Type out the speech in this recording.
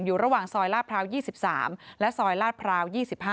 ระหว่างซอยลาดพร้าว๒๓และซอยลาดพร้าว๒๕